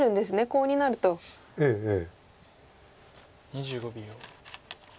２５秒。